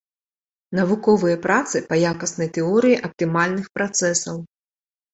Навуковыя працы па якаснай тэорыі аптымальных працэсаў.